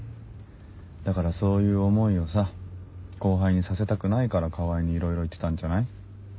だからそういう思いをさ後輩にさせたくないから川合にいろいろ言ってたんじゃない？